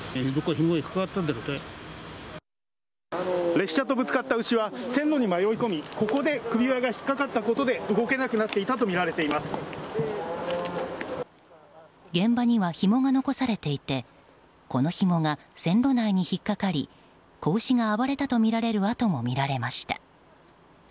列車とぶつかった牛は線路に迷い込み、ここで首輪が引っかかったことで動けなくなっていたと現場にはひもが残されていてこのひもが線路内に引っ掛かり子牛が暴れたとみられる跡もみられました。